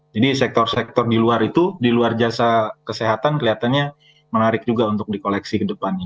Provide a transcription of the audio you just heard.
jadi sektor sektor di luar itu di luar jasa kesehatan kelihatannya menarik juga untuk di koleksi ke depannya